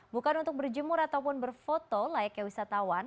bukan untuk berjemur ataupun berfoto layaknya wisatawan